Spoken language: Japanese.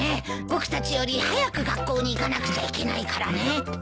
僕たちより早く学校に行かなくちゃいけないからね。